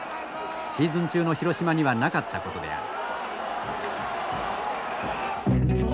シーズン中の広島にはなかったことである。